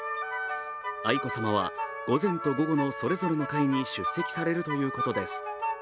愛子さまは午前と午後のそれぞれの回に出席されるということです。